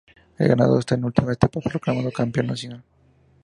El ganador de esta última etapa se proclamó Campeón Nacional.